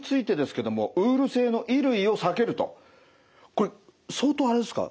これ相当あれですか。